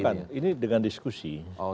bukan ini dengan diskusi